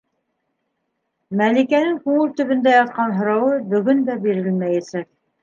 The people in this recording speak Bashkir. Мәликәнең күңел төбөндә ятҡан һорауы бөгөн дә бирелмәйәсәк.